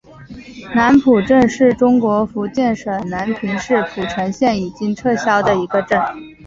南浦镇是中国福建省南平市浦城县已经撤销的一个镇。